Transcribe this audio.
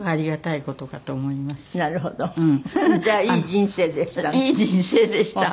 いい人生でした。